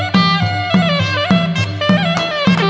กลับไปด้วย